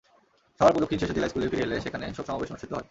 শহর প্রদক্ষিণ শেষে জিলা স্কুলে ফিরে এলে সেখানে শোক সমাবেশ অনুষ্ঠিত হয়।